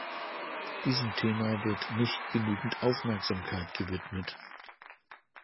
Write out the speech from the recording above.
Diesem Thema wird nicht genügend Aufmerksamkeit gewidmet.